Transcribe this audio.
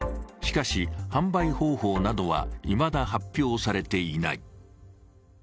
しかし、販売方法などはいまだ発表されていない。